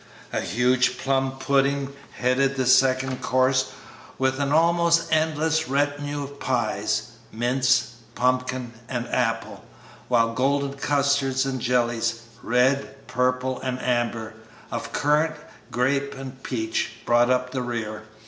A huge plum pudding headed the second course, with an almost endless retinue of pies, mince, pumpkin, and apple, while golden custards and jellies red, purple, and amber, of currant, grape, and peach brought up the rear.